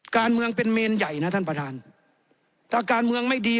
การเมืองเป็นเมนใหญ่นะท่านประธานถ้าการเมืองไม่ดี